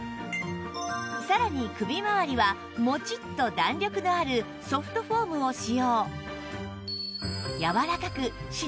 さらに首まわりはモチッと弾力のあるソフトフォームを使用